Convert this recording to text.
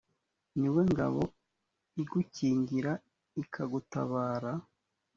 ni we ngabo igukingira ikagutabara.